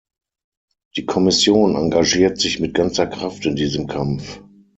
Die Kommission engagiert sich mit ganzer Kraft in diesem Kampf.